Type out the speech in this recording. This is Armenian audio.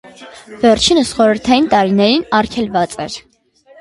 Վերջինս խորհրդային տարիներին արգելված էր։